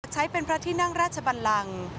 ใช้เป็นพระที่นั่งราชบันลัง